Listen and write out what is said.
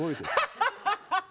ハハハハハ。